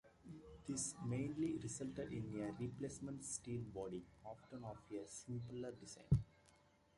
This mainly resulted in a replacement steel body, often of a simpler design.